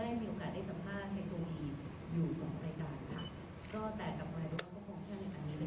แล้วก็ได้มีโอกาสได้สัมภาษณ์ไอโซบีอยู่สองรายการค่ะ